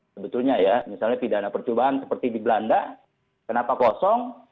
sebetulnya ya misalnya pidana percobaan seperti di belanda kenapa kosong